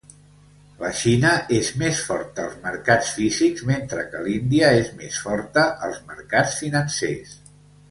La Xina és més forta als mercats físics mentre que l'Índia és més forta als mercats financers.